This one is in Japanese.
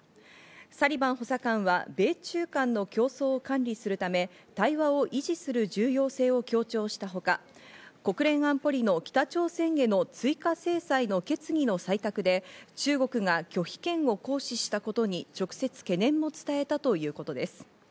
サリバン補佐官は米中間の競争を管理するため、対話を維持する重要性を強調したほか、国連安保理の北朝鮮への追加制裁の決議の採択で、中国が拒否権を行使したことに直接懸念も伝えたということです。